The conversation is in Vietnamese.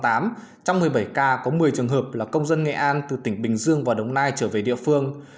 trong một mươi bảy ca có một mươi trường hợp là công dân nghệ an từ tỉnh bình dương và đồng nai trở về địa phương